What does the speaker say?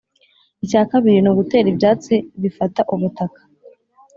Icya kabiri ni ugutera ibyatsi bifata ubutaka